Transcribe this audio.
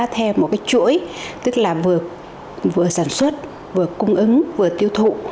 theo một cái chuỗi tức là vừa sản xuất vừa cung ứng vừa tiêu thụ